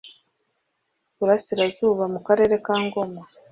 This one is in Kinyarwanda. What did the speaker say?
burasirazuba mu karere ka ngoma